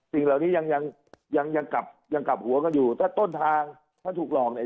สิ่งเหล่านี้ยังกลับหัวก็อยู่แต่ต้นทางถ้าถูกรองเนี่ย